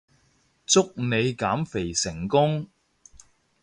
祝你減肥成功